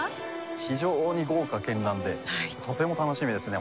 非常に豪華絢爛でとても楽しみですね